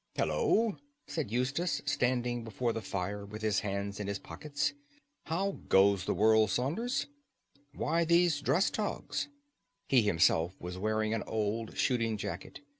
"Hullo!" said Eustace, standing before the fire with his hands in his pockets. "How goes the world, Saunders? Why these dress togs?" He himself was wearing an old shooting jacket.